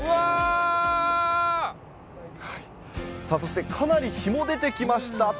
さあ、そしてかなり日も出てきました。